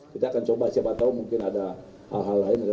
kita akan coba siapa tahu mungkin ada hal hal lain